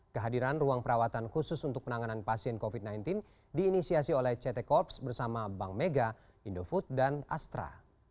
kehadiran ruang perawatan khusus untuk penanganan pasien covid sembilan belas diinisiasi oleh ct corps bersama bank mega indofood dan astra